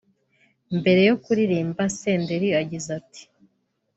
Mbere yo kuririmba Senderi agize ati